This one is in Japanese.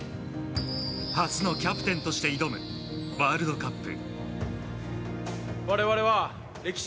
初のキャプテンとして挑むワールドカップ。